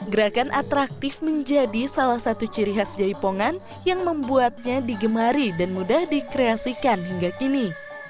gerakan atraktif menjadi salah satu ciri khas jaipongan yang membuatnya digemari dan mudah dikreasikan hingga kini